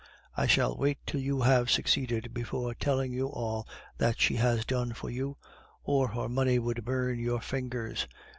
I shall wait till you have succeeded before telling you all that she has done for you, or her money would burn your fingers.